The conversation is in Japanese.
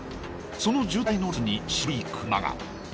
その渋滞の列に白い車が。